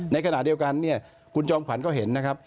ในขณะเดียวกันเนี่ยคุณจอมขวัญก็เห็นนะครับ